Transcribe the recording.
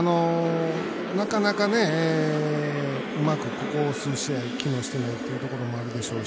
なかなかうまく、ここ数試合機能してないというところもあるでしょう